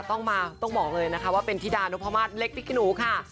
ต้องมาต้องบอกเลยนะคะว่าเป็นธิดานุพมาศเล็กพริกกะหนูค่ะ